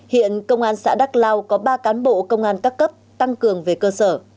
hiện công an xã đắk lao có ba cán bộ công an các cấp tăng cường về cơ sở